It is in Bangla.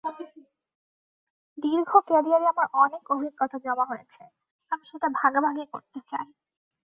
দীর্ঘ ক্যারিয়ারে আমার অনেক অভিজ্ঞতা জমা হয়েছে, আমি সেটা ভাগাভাগি করতে চাই।